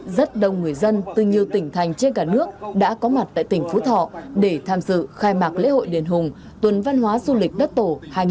rất đông người dân từ nhiều tỉnh thành trên cả nước đã có mặt tại tỉnh phú thọ để tham dự khai mạc lễ hội đền hùng tuần văn hóa du lịch đất tổ hai nghìn hai mươi bốn